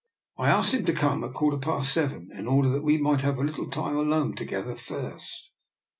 I asked him to come at a quarter past seven, in order that we might have a little time alone to gether first."